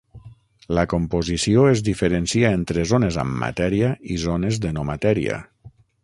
La composició es diferencia entre zones amb matèria i zones de no matèria.